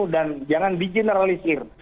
dan jangan di generalisir